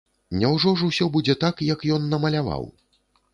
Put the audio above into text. Няўжо ж усё будзе так, як ён намаляваў?